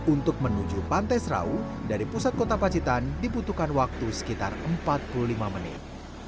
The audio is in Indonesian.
untuk menuju pantai serau dari pusat kota pacitan dibutuhkan waktu sekitar empat puluh lima menit